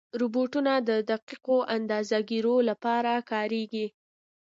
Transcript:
روبوټونه د دقیقو اندازهګیرو لپاره کارېږي.